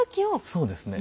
そうですね。